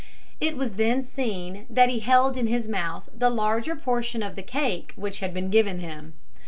It was then seen that he held in his mouth the larger portion of the cake which had been given him.